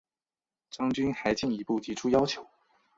张军还进一步提出要求